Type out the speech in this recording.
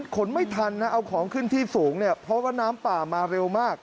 คนไม่ทันนะเอาของขึ้นที่สูงเนี่ยเพราะว่าน้ำป่ามาเร็วมาก